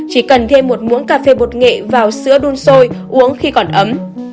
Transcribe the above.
chỉ cần thêm một mống cà phê bột nghệ vào sữa đun sôi uống khi còn ấm